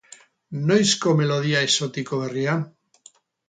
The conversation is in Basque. Noizko melodia exotiko berria?